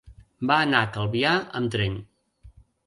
Va anar a Calvià amb tren.